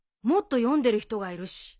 もっと読んでる人がいるし。